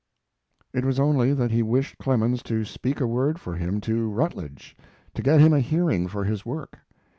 It was only that he wished Clemens to speak a word for him to Routledge, to get him a hearing for his work.